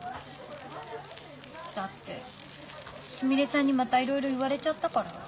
だってすみれさんにまたいろいろ言われちゃったから。